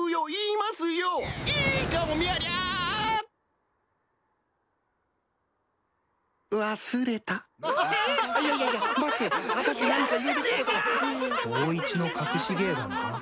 今日一の隠し芸だな。